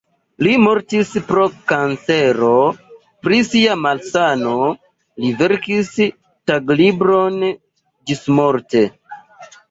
Li mortis pro kancero, pri sia malsano li verkis taglibron ĝismorte.